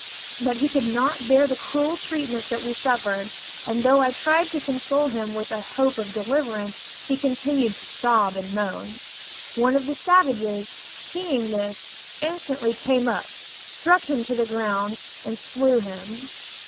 But he could not bear the cruel treatment that we suffered; and though I tried to console him with a hope of deliverance, he continued to sob and moan. One of the savages, seeing this, instantly came up, struck him to the ground, and slew him.